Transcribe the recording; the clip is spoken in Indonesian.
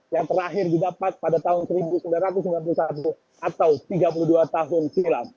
yang terakhir didapat pada tahun seribu sembilan ratus sembilan puluh satu atau tiga puluh dua tahun silam